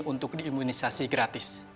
untuk di imunisasi gratis